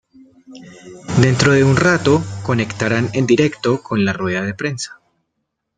Dentro de un rato conectarán en directo con la rueda de prensa.